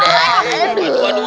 aduh aduh aduh